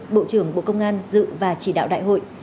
bộ trưởng bộ công an dự và chỉ đạo đại hội